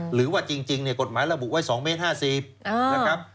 หรือว่าจริงกฎหมายระบุไว้๒เมตร๕๐นะครับ